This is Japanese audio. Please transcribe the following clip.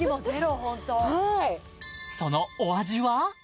そのお味は？